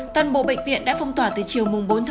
toàn bộ bệnh viện đã phong tỏa từ chiều bốn một mươi